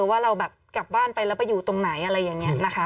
ว่าเราแบบกลับบ้านไปแล้วไปอยู่ตรงไหนอะไรอย่างนี้นะคะ